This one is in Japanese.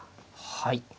はい。